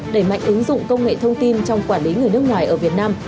đẩy mạnh ứng dụng công nghệ thông tin trong quản lý người nước ngoài ở việt nam